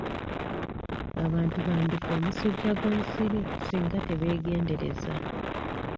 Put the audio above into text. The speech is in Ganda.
Abantu bandi fa omusujja gw'ensiri singa tebegendereza.